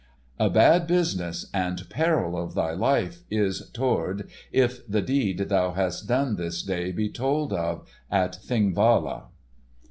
"A bad business, and peril of thy life is toward if the deed thou hast done this day be told of at Thingvalla."